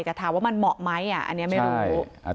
แต่ถามว่ามันเหมาะไหมอ่ะอันเนี้ยไม่รู้ใช่อ่ะ